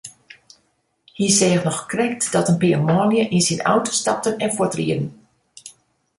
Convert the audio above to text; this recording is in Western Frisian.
Hy seach noch krekt dat in pear manlju yn syn auto stapten en fuortrieden.